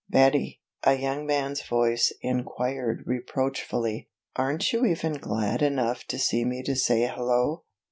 "Betty," a young man's voice inquired reproachfully, "aren't you even glad enough to see me to say hello?